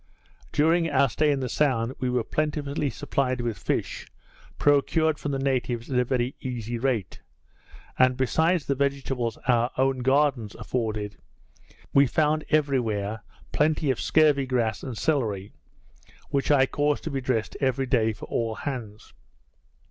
During our stay in the Sound, we were plentifully supplied with fish, procured from the natives at a very easy rate; and, besides the vegetables our own gardens afforded, we found every where plenty of scurvy grass and cellery, which I caused to be dressed every day for all hands.